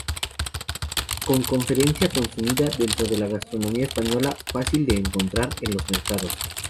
Con frecuencia consumida dentro de la gastronomía española, fácil de encontrar en los mercados.